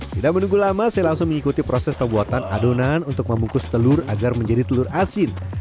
tidak menunggu lama saya langsung mengikuti proses pembuatan adonan untuk membungkus telur agar menjadi telur asin